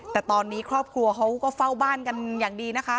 แต่ตอนนี้ครอบครัวเขาก็เฝ้าบ้านกันอย่างดีนะคะ